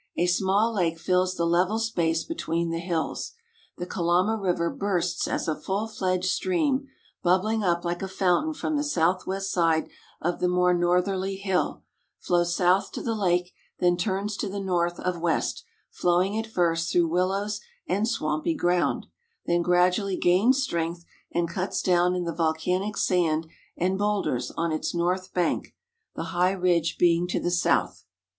A small lake fills the level space between the .hills. The Kalama river bursts as a full fledged stream, bub bling up like a fountain from the southwest side of the more northerly hill, flows south to the lake, tlT^en turns to the north of west, flowing at first through willows and swampy ground, then gradually gains strength and cuts down in the volcanic sand and boulders on its north bank, the high ridge being to the south.